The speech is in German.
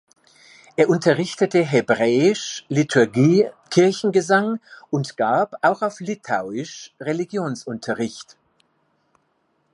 Er unterrichtete Hebräisch, Liturgie, Kirchengesang und gab, auch auf litauisch, Religionsunterricht.